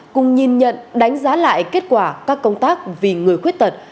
cùng nhìn nhận đánh giá lại kết quả các công tác vì người khuyết tật